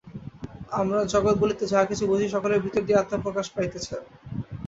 আমরা জগৎ বলিতে যাহা কিছু বুঝি, সকলের ভিতর দিয়াই আত্মা প্রকাশ পাইতেছেন।